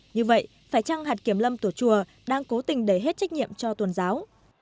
như vậy phải trăng hạt kiểm lâm tùa chùa đang cố tình đẩy hết trách nhiệm cho tuần giáo